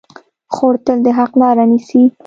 خور تل د حق لاره نیسي.